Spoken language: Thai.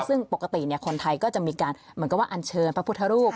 ซึ่งปกติคนไทยก็จะมีการเหมือนกับว่าอันเชิญพระพุทธรูป